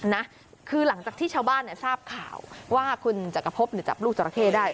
นะคือหลังจากที่ชาวบ้านเนี่ยทราบข่าวว่าคุณจักรพบจับลูกจราเข้ได้